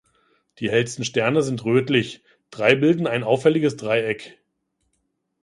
Die hellsten Sterne sind rötlich, drei bilden ein auffälliges Dreieck.